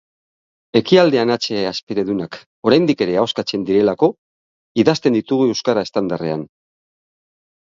Ekialdean hatxea hasperendunak oraindik ere ahoskatzen direlako idazten ditugu euskara estandarrean.